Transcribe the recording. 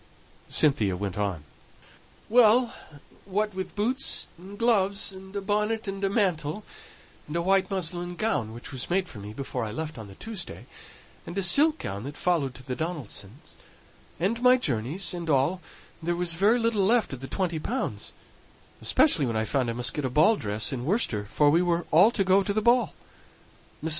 Cynthia went on, "Well, what with boots and gloves, and a bonnet and a mantle, and a white muslin gown, which was made for me before I left on Tuesday, and a silk gown that followed to the Donaldsons', and my journeys, and all, there was very little left of the twenty pounds, especially when I found I must get a ball dress in Worcester, for we were all to go to the Ball. Mrs.